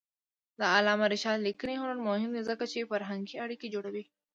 د علامه رشاد لیکنی هنر مهم دی ځکه چې فرهنګي اړیکې جوړوي.